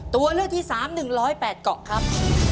ตัวเลือกที่๓๑๐๘เกาะครับ